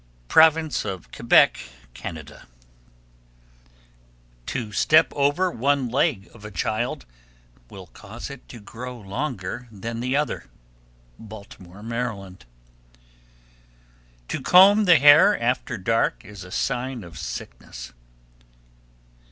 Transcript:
Province of Quebec, Can. 1289. To step over one leg of a child will cause it to grow longer than the other. Baltimore, Md. 1290. To comb the hair after dark is a sign of sickness.